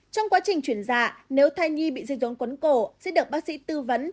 trong quá trình chuyển dạ nếu thai nhi bị dây rốn cuốn cổ sẽ được bác sĩ tư vấn